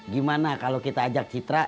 gimana kalau kita ajak citra